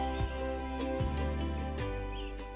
mereka juga dikelompokkan dengan kawanannya